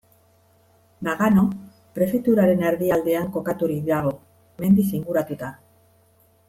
Nagano prefeturaren erdialdean kokaturik dago, mendiz inguratuta.